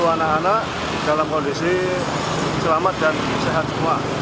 sepuluh anak anak dalam kondisi selamat dan sehat semua